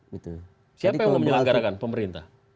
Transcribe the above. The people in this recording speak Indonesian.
siapa yang mau menyelenggarakan pemerintah